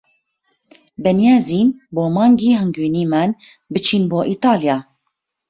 بەنیازین بۆ مانگی هەنگوینیمان بچین بۆ ئیتالیا.